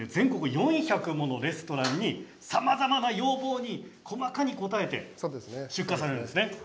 全国４００のレストランにさまざまな用途に細かに応えて出荷されるんですね。